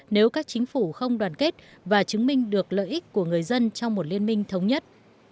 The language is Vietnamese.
nếu các chính phủ không đoàn kết và chứng minh được lợi ích của người dân trong một liên minh thống nhất